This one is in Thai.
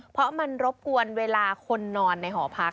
เพราะมันรบกวนเวลาคนนอนในหอพัก